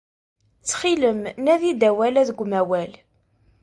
Ttxil-m, nadi-d awal-a deg umawal.